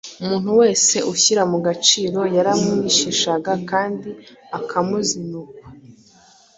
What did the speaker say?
Umuntu wese ushyira mu gaciro yaramwishishaga kandi akamuzinukwa.